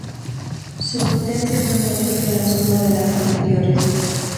Su potencia fue mayor que la suma de las anteriores.